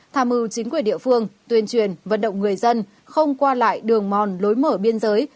tham mưu chính quyền địa phương tuyên truyền vận động người dân không qua lại đường mòn lối mở biên giới